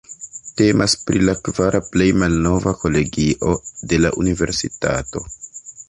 Temas pri la kvara plej malnova kolegio de la Universitato.